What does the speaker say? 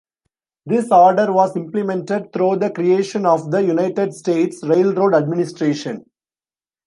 This order was implemented through the creation of the United States Railroad Administration.